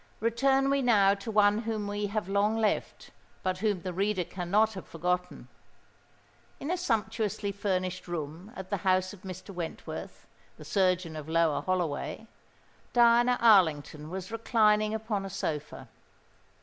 Return we now to one whom we have long left, but whom the reader cannot have forgotten. In a sumptuously furnished room at the house of Mr. Wentworth, the surgeon of Lower Holloway, Diana Arlington was reclining upon a sofa.